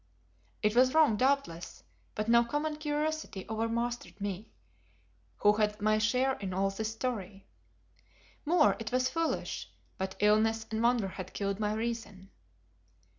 It was wrong, doubtless, but no common curiosity over mastered me, who had my share in all this story. More, it was foolish, but illness and wonder had killed my reason.